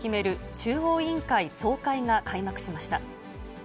中央委員会総会が開幕しました。